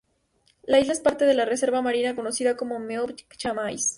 La isla es parte de la reserva marina conocida como "Meob-Chamais".